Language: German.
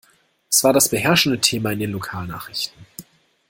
Es war das beherrschende Thema in den Lokalnachrichten.